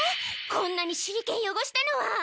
こんなに手裏剣よごしたのは！